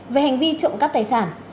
về hành vi trộm cắp tài sản